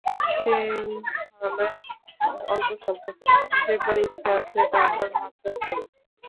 সিংহলে অল্পস্বল্প দেখবার ইচ্ছা আছে, তারপর মান্দ্রাজ যাব।